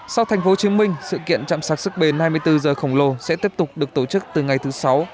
sau thành phố chiếm minh sự kiện chạm sạc sức bền hai mươi bốn h khổng lồ sẽ tiếp tục được tổ chức từ ngày thứ sáu